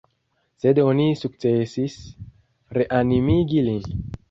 Sed oni sukcesis reanimigi lin.